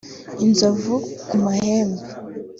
inzovu (ku mahembe)